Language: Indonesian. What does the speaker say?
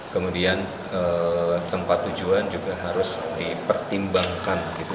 kemudian tempat tujuan juga harus dipertimbangkan gitu